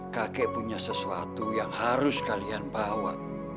kakek punya sesuatu yang harus kalian bawa